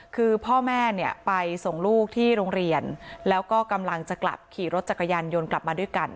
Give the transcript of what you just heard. คือพ่อแม่เนี่ยไปส่งลูกที่โรงเรียนแล้วก็กำลังจะกลับขี่รถจักรยานยนต์กลับมาด้วยกัน